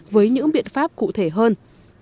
với những biện pháp cụ thể hơn